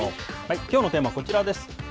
きょうのテーマはこちらです。